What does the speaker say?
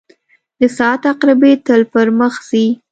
• د ساعت عقربې تل پر مخ ځي.